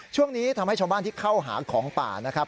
ช่วงนี้ทำให้ชาวบ้านที่เข้าหาของป่านะครับ